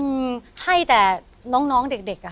ให้แต่น้องเด็กอ่ะ